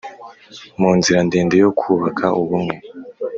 mu nzira ndende yo kubaka ubumwe